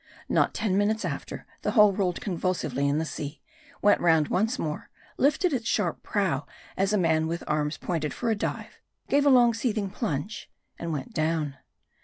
Not ten minutes after, the hull rolled convulsively in the sea ; went round once more ; lifted its sharp prow as a man with arms pointed for a dive ; gave a long seething plunge ; and went down.